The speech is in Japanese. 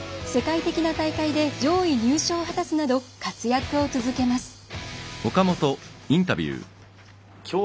世界的な大会で上位入賞を果たすなど活躍を続けます。